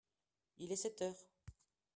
Il est sept heures.